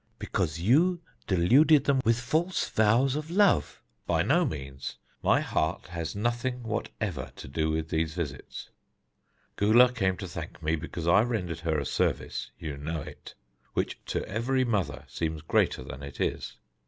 "Because you deluded them with false vows of love." "By no means. My heart has nothing what ever to do with these visits. Gula came to thank me because I rendered her a service you know it which to every mother seems greater than it is."